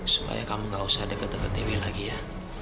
supaya kamu gak usah deket deket tv lagi ya